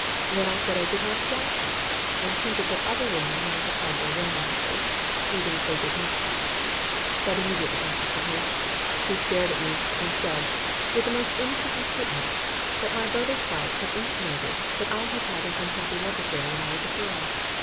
Then I said I did not doubt that, and hinted that other women might have had their romances, even if they did not marry. That immediately interested her. She stared at me, and said, with the most innocent impertinence, that my brother's wife had intimated that I had had an unhappy love affair when I was a girl.